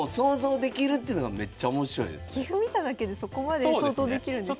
棋譜見ただけでそこまで想像できるんですね。